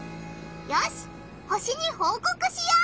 よし星にほうこくしよう！